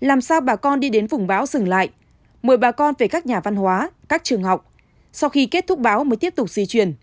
làm sao bà con đi đến vùng bão dừng lại mời bà con về các nhà văn hóa các trường học sau khi kết thúc báo mới tiếp tục di chuyển